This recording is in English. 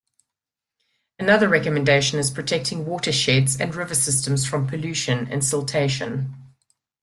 Another recommendation is protecting watersheds and river systems from pollution and siltation.